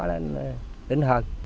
nó tính hơn